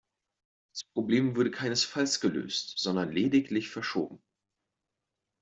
Das Problem wurde keinesfalls gelöst, sondern lediglich verschoben.